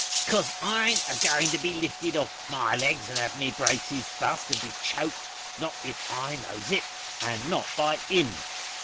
"'Cos I ain't a goin' to be lifted off my legs and 'ave my braces bust and be choked; not if I knows it, and not by "Im.